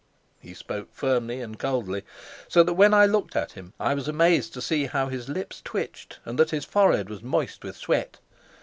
He spoke firmly and coldly; so that when I looked at him I was amazed to see how his lips twitched and that his forehead was moist with sweat.